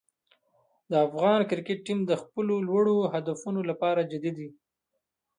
د افغان کرکټ ټیم د خپلو لوړو هدفونو لپاره جدي دی.